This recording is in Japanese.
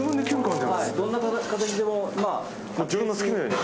どんな形でも自分の好きなように。